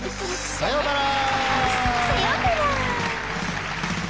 ああさようなら。